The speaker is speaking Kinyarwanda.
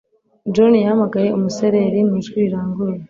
John yahamagaye umusereri mu ijwi riranguruye.